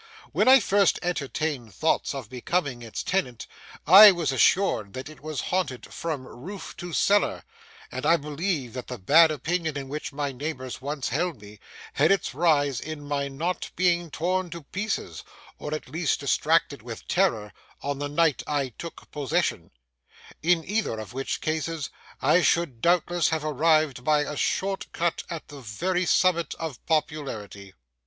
When I first entertained thoughts of becoming its tenant, I was assured that it was haunted from roof to cellar, and I believe that the bad opinion in which my neighbours once held me, had its rise in my not being torn to pieces, or at least distracted with terror, on the night I took possession; in either of which cases I should doubtless have arrived by a short cut at the very summit of popularity.